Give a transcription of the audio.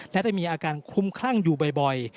และจะมีอาการคลุมคลั่งอยู่บ่อย